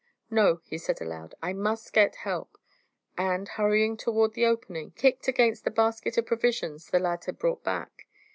"No," he said aloud, "I must get help;" and, hurrying toward the opening, he kicked against the basket of provisions the lad had brought back.